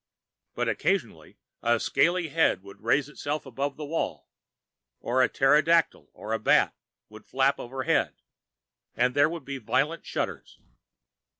But occasionally, a scaly head would raise itself above the wall, or a pterodactyl or bat would flap overhead, and there would be violent shudders.